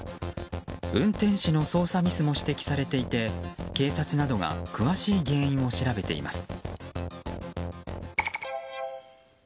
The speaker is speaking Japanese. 運転手の操作ミスも指摘されていて警察などが詳しい原因を調べています。